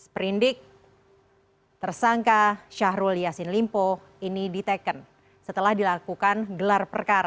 perindik tersangka syahrul yassin limpo ini diteken setelah dilakukan gelar perkara